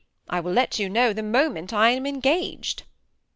I will let you know, the moment I am engaged."